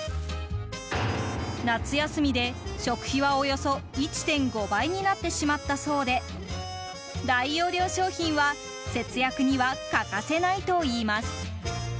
夏休みで食費はおよそ１．５倍になってしまったそうで大容量商品は節約には欠かせないといいます。